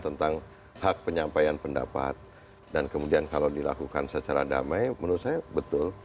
tentang hak penyampaian pendapat dan kemudian kalau dilakukan secara damai menurut saya betul